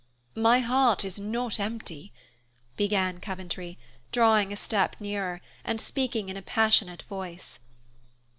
"My heart is not empty," began Coventry, drawing a step nearer, and speaking in a passionate voice.